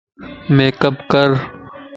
ميڪ اپ ڪر